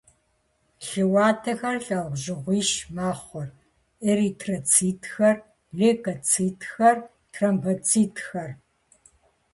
Лъы уэтэхэр лӏэужьыгъуищ мэхъур: эритроцитхэр, лейкоцитхэр, тромбоцитхэр.